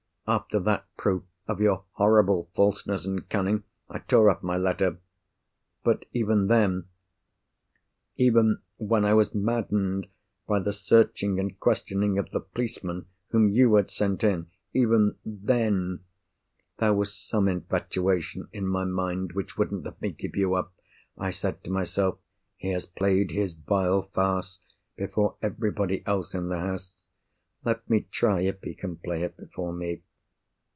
After that proof of your horrible falseness and cunning, I tore up my letter. But even then—even when I was maddened by the searching and questioning of the policeman, whom you had sent in—even then, there was some infatuation in my mind which wouldn't let me give you up. I said to myself, 'He has played his vile farce before everybody else in the house. Let me try if he can play it before me.